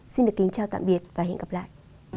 xin được kính chào tạm biệt và hẹn gặp lại